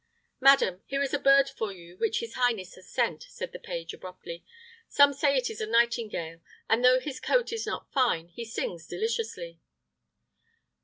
"Madam, here is a bird for you which his highness has sent," said the page, abruptly. "Some say it is a nightingale; and, though his coat is not fine, he sings deliciously."